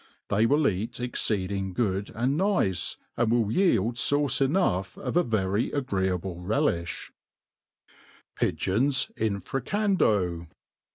They will eat exceeding good and nice, gnd wUl yield faucc enough of a veYy agreeable relifli. Pigeons in Fricando.